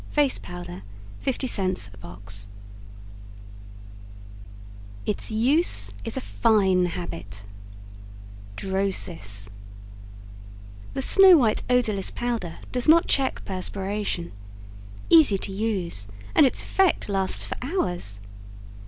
Face Powder. 50c box "ITS USE IS A FINE HABIT" DROSIS The snow white odorless powder does not check perspiration. Easy to use and its effect lasts for hours.